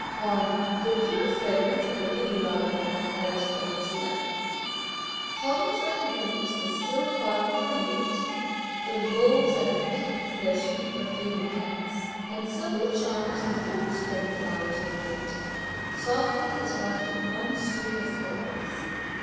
On "the pure fragrance of the Ligularia and Iris Florentina:" Hengs and Wus the still park permeate; The los and pis their sweet perfume enhance; And supple charms the third spring flowers ornate; Softly is wafted one streak of fragrance!